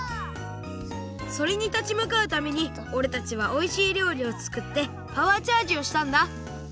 それにたちむかうためにおれたちはおいしいりょうりをつくってパワーチャージをしたんだ！